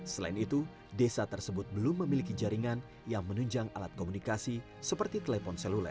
selain itu desa tersebut belum memiliki jaringan yang menunjang alat komunikasi seperti telepon seluler